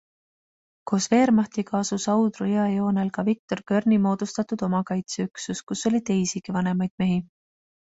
Koos Wehrmachtiga asus Audru jõe joonel ka Viktor Koerni moodustatud omakaitseüksus, kus oli teisigi vanemaid mehi.